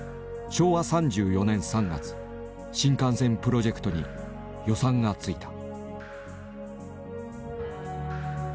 昭和３４年３月新幹線プロジェクトに予算が付いた。